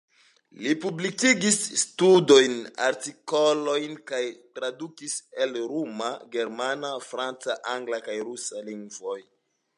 Li publikigis studojn, artikolojn kaj tradukis el rumana, germana, franca, angla kaj rusa lingvoj.